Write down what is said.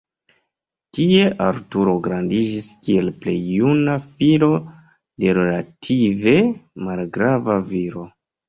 Tie Arturo grandiĝis kiel plej juna filo de relative malgrava viro.